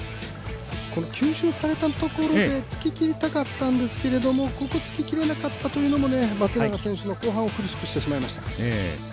吸収されたところでつききりたかったんですけどここ、つききれなかったというところが松永選手の後半を苦しくしてしまいました。